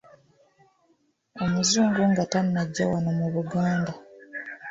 Omuzungu nga tannajja wano mu Buganda.